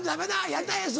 「やりたいです！」